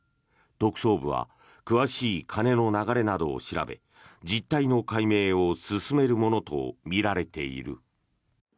特捜部は詳しい金の流れなどを調べ実態の解明を進めるものとみられている。